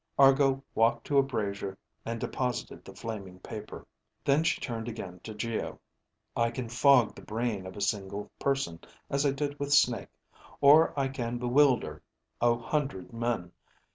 Argo walked to a brazier and deposited the flaming paper. Then she turned again to Geo. "I can fog the brain of a single person, as I did with Snake; or I can bewilder a hundred men.